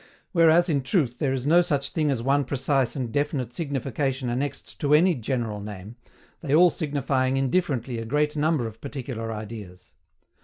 Whereas, in truth, there is no such thing as one precise and definite signification annexed to any general name, they all signifying indifferently a great number of particular ideas.